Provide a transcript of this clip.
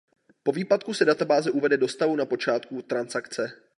Po výpadku se databáze uvede do stavu na počátku transakce.